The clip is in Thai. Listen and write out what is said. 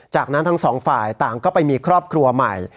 จากนั้นทั้งสองฝ่ายต่างก็ไปมีครอบครัวใหม่